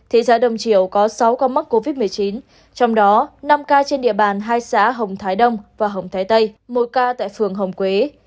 thị xã đồng triều có sáu ca mắc covid một mươi chín trong đó năm ca trên địa bàn hai xã hồng thái đông và hồng thái tây một ca tại phường hồng quế